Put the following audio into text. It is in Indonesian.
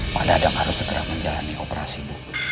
pak dadang harus segera menjalani operasi buku